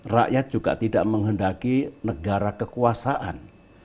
rakyat juga tidak menghendaki negara kekuasaan